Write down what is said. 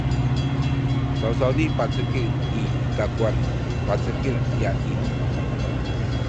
sawsawni pacekil i takuwan palucek kya i